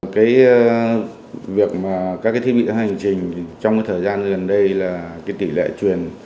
cái việc mà các thiết bị hành trình trong thời gian gần đây là tỷ lệ truyền